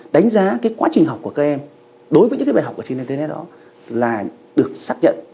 đánh giá quá trình học của các em đối với những bài học trên internet đó là được xác nhận